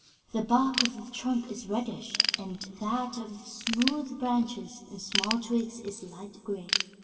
The bark of the trunk is reddish, and that of the smooth branches and small twigs is light gray.